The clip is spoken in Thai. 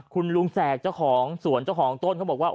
คุณลุงแสกเจ้าของสวนเจ้าของต้นเขาบอกว่า